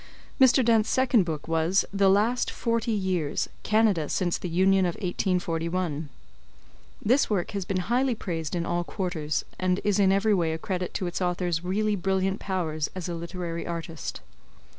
Mr. Dent's second book was "The Last Forty Years: Canada since the Union of 1841." This work has been highly praised in all quarters, and is in every way a credit to its author's really brilliant powers as a literary artist.